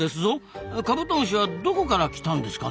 カブトムシはどこから来たんですかね？